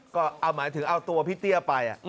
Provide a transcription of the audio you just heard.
ก็เอาหมายถึงเอาตัวพี่เตี้ยไป